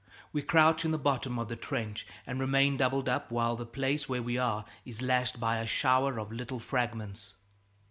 We crouch in the bottom of the trench and remain doubled up while the place where we are is lashed by a shower of little fragments.